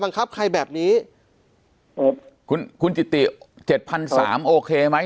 ครับใครแบบนี้ครับคุณคุณจิติเจ็ดพันสามโอเคไหม